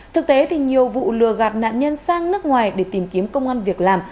thực tế thì nhiều vụ lừa gạt nạn nhân sang nước ngoài để tìm kiếm công an việc làm